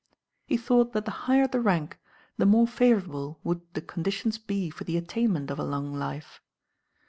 He thought that the higher the rank the more favourable would the conditions be for the attainment of a long life.